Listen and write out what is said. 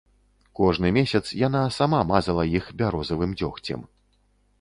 Кожны месяц яна сама мазала іх бярозавым дзёгцем.